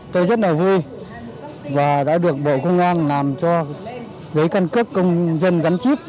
tôi rất là vui và đã được bộ công an làm cho lấy căn cước công dân gắn chip